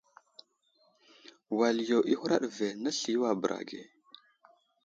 Wal yo i huraɗ ve, nəsliyo a bəra ge.